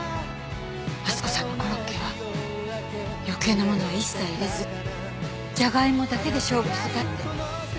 温子さんのコロッケは余計なものは一切入れずジャガイモだけで勝負してたって。